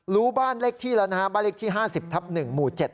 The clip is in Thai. รู้บ้านเลขที่แล้วนะฮะบ้านเลขที่๕๐ทับ๑หมู่๗